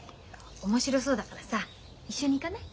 面白そうだからさ一緒に行かない？